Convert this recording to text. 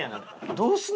どうすんの？